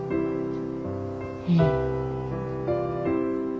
うん。